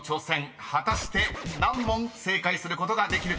［果たして何問正解することができるか？］